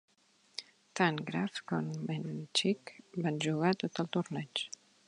Tant Graf com Menchik van jugar tot el torneig.